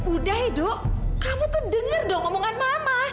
udah edo kamu tuh denger dong omongan mama